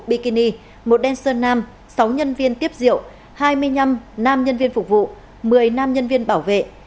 bikini một đen sơn nam sáu nhân viên tiếp rượu hai mươi năm nam nhân viên phục vụ một mươi nam nhân viên bảo vệ